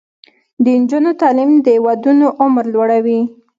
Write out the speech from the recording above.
د نجونو تعلیم د ودونو عمر لوړوي.